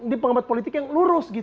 ini pengamat politik yang lurus